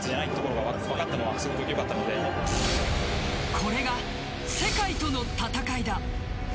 これが世界との戦いだ。